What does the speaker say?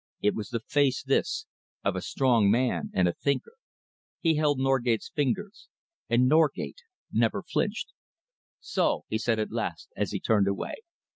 It was the face, this, of a strong man and a thinker. He held Norgate's fingers, and Norgate never flinched. "So!" he said at last, as he turned away.